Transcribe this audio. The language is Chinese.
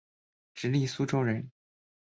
直隶苏州人。